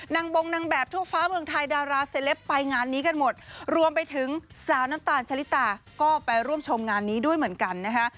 บงนางแบบทั่วฟ้าเมืองไทยดาราเซลปไปงานนี้กันหมดรวมไปถึงสาวน้ำตาลชะลิตาก็ไปร่วมชมงานนี้ด้วยเหมือนกันนะคะ